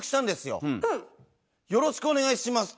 よろしくお願いします。